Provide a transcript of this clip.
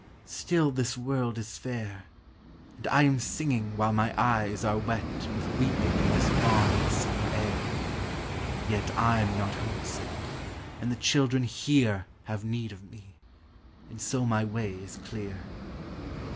Still this world is fair, And I am singing while my eyes are wet With weeping in this balmy summer air: Yet I'm not homesick, and the children here Have need of me, and so my way is clear.